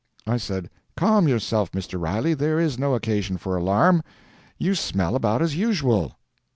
I said, "Calm yourself, Mr. Riley. There is no occasion for alarm. You smell about as usual."